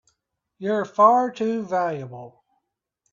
You're far too valuable!